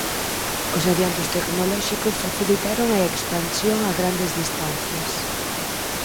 Os adiantos tecnolóxicos facilitaron a expansión a grandes distancias.